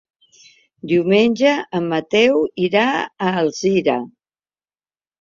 Diumenge en Mateu irà a Alzira.